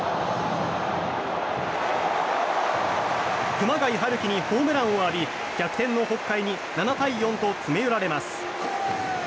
熊谷陽輝にホームランを浴び逆転の北海に７対４と詰め寄られます。